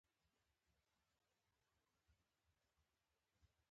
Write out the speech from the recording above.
شپون نارې کړې خو څوک ور نه غلل.